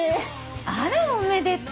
あらおめでとう。